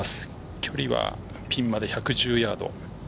距離はピンまで１１０ヤード。